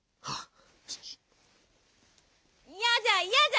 あっ。